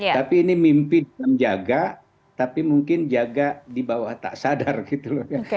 tapi ini mimpi dalam jaga tapi mungkin jaga di bawah tak sadar gitu loh